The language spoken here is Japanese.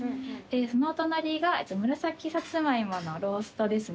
そのお隣が紫サツマイモのローストですね。